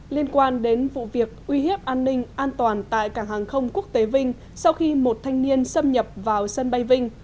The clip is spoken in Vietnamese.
liên quan đến vụ việc uy hiếp an ninh an toàn tại cảng hàng không quốc tế vinh sau khi một thanh niên xâm nhập vào sân bay vinh